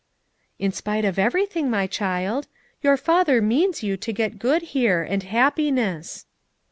"In spite of everything, my child. Your Father means you to get good here, and hap piness."